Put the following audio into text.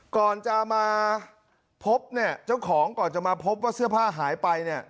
ก่อนจะมาพบเนี่ยเจ้าของก่อนจะมาพบว่าเสื้อผ้าหายไปเนี่ย